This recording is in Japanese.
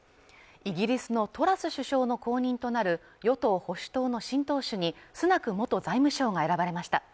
イギリスのトラス首相の後任となる与党・保守党の新党首にスナク元財務相が選ばれました